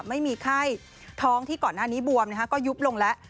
ไม่มีไข้ท้องที่ก่อนหน้านี้บวมก็ยุบลงแล้ว